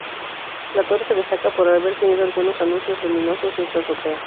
La torre se destaca por haber tenido algunos anuncios luminosos en su azotea.